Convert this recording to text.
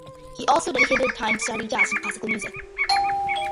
He also dedicated time to study jazz and classical music.